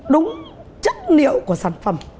đúng chất liệu của sản phẩm